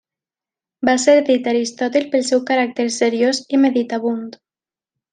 Va ser dit Aristòtil pel seu caràcter seriós i meditabund.